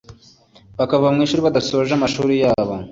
bakava mu ishuri badasoje amashuri yabo